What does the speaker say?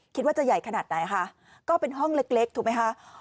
คิดว่าจะใหญ่ขนาดไหนคะก็เป็นห้องเล็กถูกไหมคะ